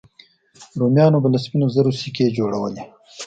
رومیانو به له سپینو زرو سکې جوړولې